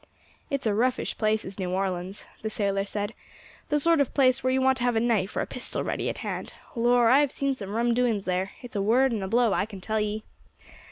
"It's a roughish place is New Orleans," the sailor said; "the sort of place where you want to have a knife or pistol ready at hand. Lor', I have seen some rum doings there; it's a word and a blow, I can tell ye."